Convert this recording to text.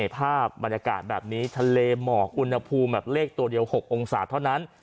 ภาพบรรยากาศแบบนี้ทะเลหมอกอุณหภูมิแบบเลขตัวเดียว๖องศาเท่านั้น